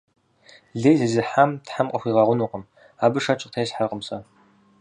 Лей зезыхьам Тхьэм къыхуигъэгъунукъым – абы шэч къытесхьэртэкъым сэ.